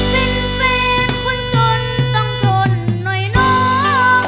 เป็นคนจนต้องทนหน่อยนอก